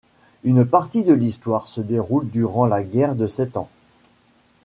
Une partie de l'histoire se déroule durant la guerre de Sept Ans.